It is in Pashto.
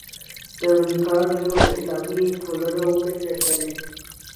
د امریکې ډېرو اسلامي ټولنو وپېژندلې.